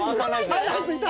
サンライズいた！